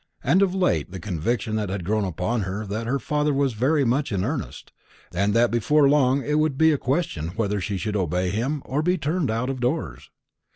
And of late the conviction had grown upon her that her father was very much in earnest, and that before long it would be a question whether she should obey him, or be turned out of doors.